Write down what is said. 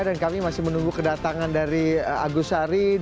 dan kami masih menunggu kedatangan dari agus sari